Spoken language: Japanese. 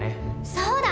そうだ！